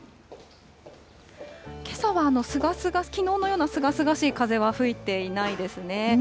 けさは、きのうのようなすがすがしい風は吹いていないですね。